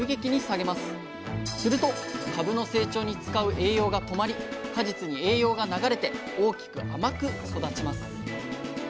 すると株の成長に使う栄養が止まり果実に栄養が流れて大きく甘く育ちます。